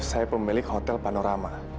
saya pemilik hotel panorama